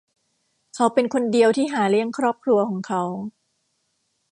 เขาเป็นคนเดียวที่หาเลี้ยงครอบครัวของเขา